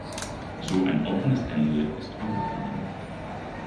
So ein offenes Ende ist unbefriedigend.